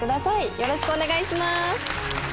よろしくお願いします。